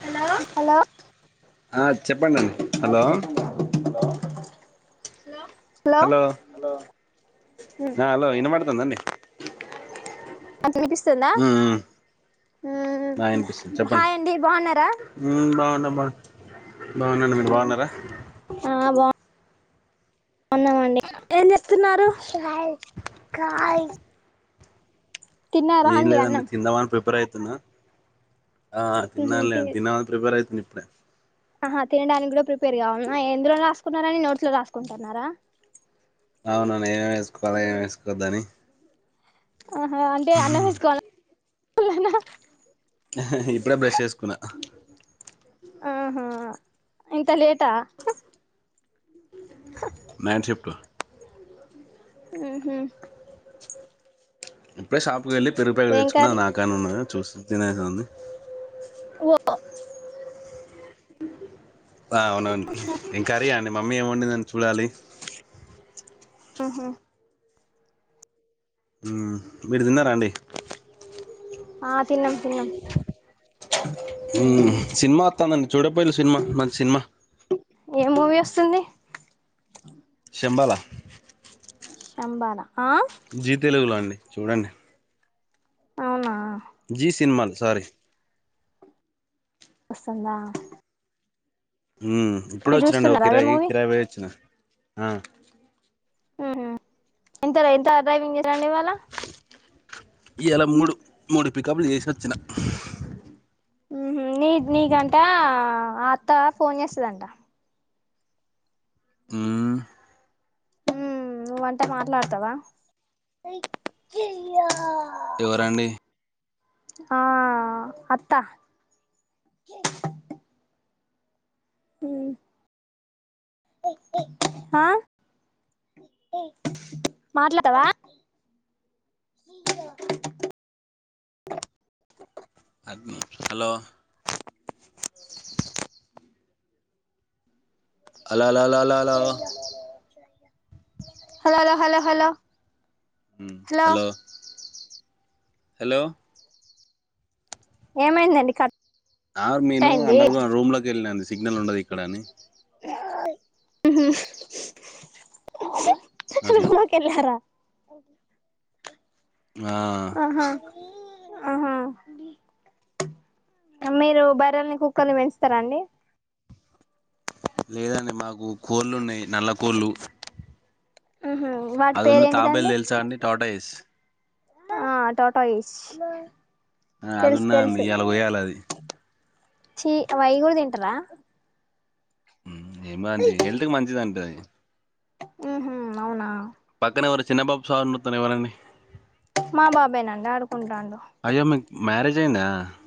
Hello hello ఆ చెప్పండి అండి ఆ హలో చెప్పండి రా హలో హలో హలో ఆ హలో వినబడుతుందండి మంచిగా వినిపిస్తుందా ఉమ్ ఉమ్ హ్మ్ ఆ వినిపిస్తుంది చెప్పండి హాయ్ండి బాగున్నారా బాగున్నాను మీరు బాగున్నారా ఆ బాగున్నామండి. ఎం చేస్తున్నారు చెస్తూన్నారు. ఏం లేదండి. తిందామని ప్రిపేర్ అయ్ ఆ ఉహు తినాలలే తి దిన ప్రిపేర్ అయితున్నా ఇప్పుడే ఆహా తినడానికి కూడా ప్రిపేర్గా కావాల్నా ఎందులో రాసుకున్నారని నోట్ లో రాసుకుంటున్నారా అవునను ఏమేం వేసుకోవాలా ఏం వేసుకోవద్దని ఆహా అంటే అన్నం వేసుకోవాల ఇప్పుడే బ్రష్ చేసుకున్నా ఆహా ఇంత లేటా నైట్ షిఫ్ట్ హు హ్మ్ ఇప్పుడే షాప్కి వెళ్ళి పెరుగు ప్యాకెట్ ఏం తెచ్చుకున్న కర్రీ అది నాకేనే ఉన్నది చూస్త్ తినేది ఉంది. ఓ ఆ అవునండి. ఎమ్ కర్రీ అండి మమ్మి ఎమ్ వండిందండి. ఆహా మ్ మీరు తిన్నారా అండి. ఆ తిన్నాం తిన్నాం. హ్మ్ ఉహు సినిమా వత్తండి. చూడకపోయిల్లు సినిమా మంచి సినిమా ఏ మూవీ వస్తుంది. శంబలా శంభాలా ఆ జీ తెలుగులో అండి చూడండి. అవునా జీ సినిమాలు సారీ వస్తుందా హు ఇప్పుడే మీరు వచ్చిన అండీ ఒక చూస్తున్నారా అదే కిరాయి మూవీ కిరాయి పోయి వచ్చిన హు ఎంత ఎంత డ్డ్రైవింగ్ చేసాండి ఇవాళ ఇవాలా మూడు మూడు పికప్లు చేసి వచ్చిన ఉహుమ్మ్ నీ నీకంట అత్త ఫోన్ చేస్తందంట మ్ హు నువ్వంటే మాట్లాడతావా ఎవరండి ఆ అత్తా హు అహా మాట్లాడవా hello hello hello hello hello hello hello లో hello hello hello hello hello ఏమైందండి కట్ ఆ నేను అయింది అండర్ గ్రౌండ్ రూమ్ లోకి కెళ్ళినా సిగ్నల్ ఉండదు ఇక్కడ అని. ఉహు అట్లా రూమ్ లోకి కెళ్ళారా అవ్ ఆ ఆహా మీరు బర్రెల్ని కుక్కల్ని పెంచుతారా అండి. లేదండి మాకు కోళ్లున్నాయి నల్ల కోళ్ళు. ఉహు వాటి పేరు అదున్ను తాబేలు ఏంటిదండి తెలుసా అండి టోట ఇస్ ఆ టోట ఇస్ ఆ అది ఉన్నదండి ఇయలా కొయాలి అది. చి అవి అయి కూడా తింటారా ఏమోనండి హెల్త్ కు మంచిదంట అది ఉహు అవునా పక్కన ఎవరో చిన్న బాబు సౌండ్ వాతనై ఎవరండీ మా బాబేనండి ఆడుకుంటాండు చిన్న